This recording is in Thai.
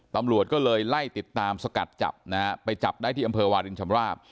ตำรวจก็เลยไล่ติดตามสกัดจับนะฮะไปจับได้ที่อำเภอวาลินชำราบ